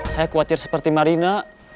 saya khawatir seperti marina